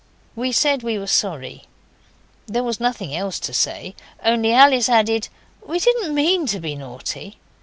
We said we were sorry. There was nothing else to say, only Alice added, 'We didn't MEAN to be naughty.